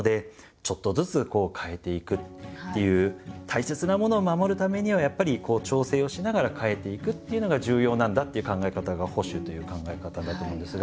大切なものを守るためにはやっぱりこう調整をしながら変えていくというのが重要なんだっていう考え方が保守という考え方だと思うんですが